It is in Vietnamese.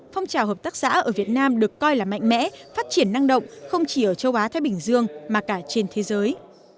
phong trào hợp tác xã ở việt nam được coi là mạnh mẽ phát triển năng động không chỉ ở châu á thái bình dương mà cả trên thế giới